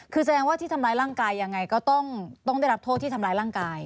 คือแสดงว่าที่ทำร้ายร่างกายยังไงก็ต้องได้รับโทษที่ทำร้ายร่างกาย